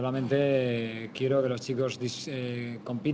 dan memberikan pandangan yang baik